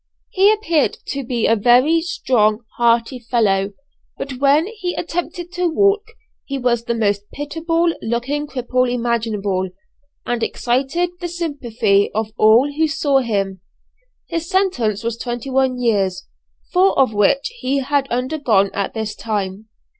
He appeared to be a very strong hearty fellow, but when he attempted to walk, he was the most pitiable looking cripple imaginable, and excited the sympathy of all who saw him. His sentence was twenty one years, four of which he had undergone at this time.